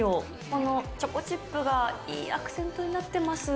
このチョコチップがいいアクセントになってます。